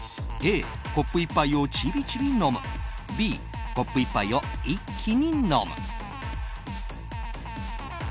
Ａ、コップ１杯をちびちび飲むＢ、コップ１杯を一気に飲む。